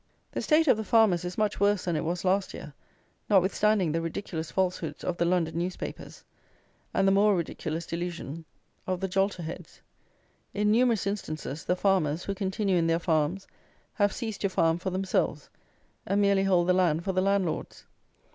The state of the farmers is much worse than it was last year, notwithstanding the ridiculous falsehoods of the London newspapers, and the more ridiculous delusion of the jolterheads. In numerous instances the farmers, who continue in their farms, have ceased to farm for themselves, and merely hold the land for the landlords.